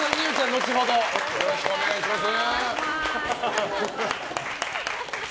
のちほどよろしくお願いします。